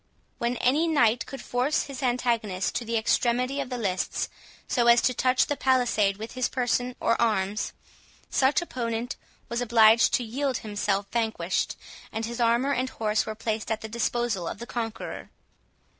When any knight could force his antagonist to the extremity of the lists, so as to touch the palisade with his person or arms, such opponent was obliged to yield himself vanquished, and his armour and horse were placed at the disposal of the conqueror.